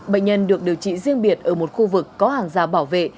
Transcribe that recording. bệnh nhân được điều trị riêng biệt ở một khu vực có hàng gia bảo vệ